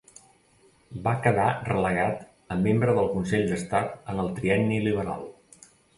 Va quedar relegat a membre del Consell d'Estat en el Trienni Liberal.